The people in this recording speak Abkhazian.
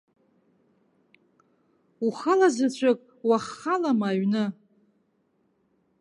Ухалазаҵәык уаххалама аҩны?